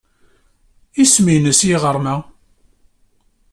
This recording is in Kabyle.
Isem-nnes yiɣrem-a?